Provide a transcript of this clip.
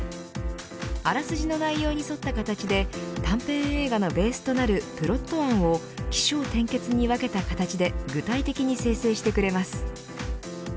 あらすじの内容に沿った形で短編映画のベースとなるプロット案を起承転結に分けた形で具体的に生成してくれます。